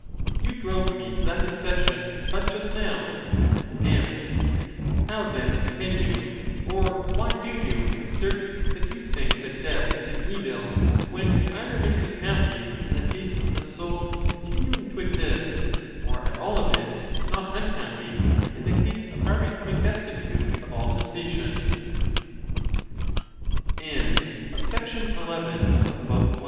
You drove me to that concession but just now. M. How, then, can you, or why do you, assert that you think that death is an evil, when it either makes us happy, in the case of the soul continuing to exist, or, at all events, not unhappy, in the case of our becomin